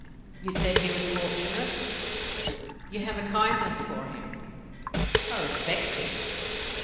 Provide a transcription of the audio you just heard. "You said he was fortunate." "You have a kindness for him." "I respect him."